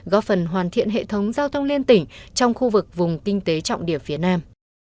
góp phần hoàn thiện hệ thống giao thông liên tỉnh trong khu vực vùng kinh tế trọng điểm phía nam